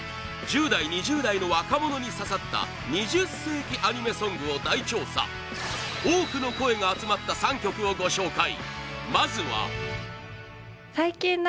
１０代・２０代の若者に刺さった２０世紀アニメソングを大調査多くの声が集まった３曲をご紹介